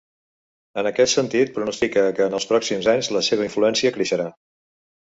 En aquest sentit, pronostica que en els pròxims anys la seva influència creixerà.